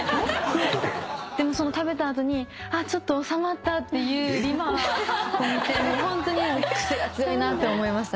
でも食べた後に「あっちょっと治まった」って言うＲＩＭＡを見てホントにクセが強いなって思いましたね。